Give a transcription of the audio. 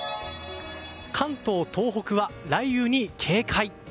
関東・東北は雷雨に警戒。